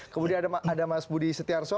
kemudian ada mas budi setiarso